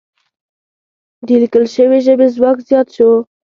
د لیکل شوې ژبې ځواک زیات شو.